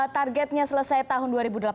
targetnya selesai tahun dua ribu delapan belas